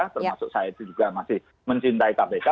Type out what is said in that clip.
termasuk saya itu juga masih mencintai kpk